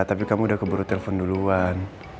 tapi kamu udah keburu telepon duluan